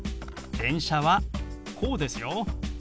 「電車」はこうですよ。